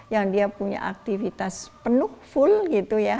yang dia punya aktivitas penuh full